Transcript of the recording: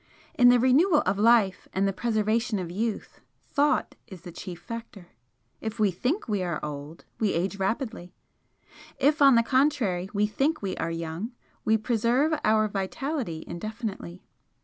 "In the renewal of life and the preservation of youth, Thought is the chief factor. If we THINK we are old we age rapidly. If, on the contrary, we THINK we are young, we preserve our vitality indefinitely.